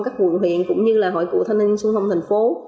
các huyện cũng như là hội cụ thanh niên xung phong thành phố